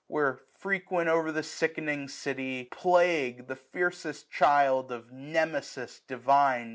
Where, frequent o'er the sickening city. Plague, The fiercest child of Nemesis divine.